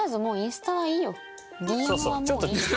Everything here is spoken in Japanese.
ＤＭはもういい。